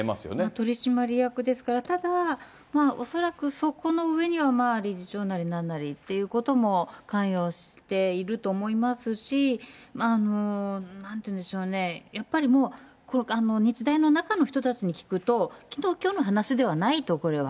取締役ですから、ただ、恐らくそこの上には理事長なりなんなりということも関与していると思いますし、なんて言うんでしょうね、やっぱりもう、日大の中の人たちに聞くと、きのうきょうの話ではないと、これは。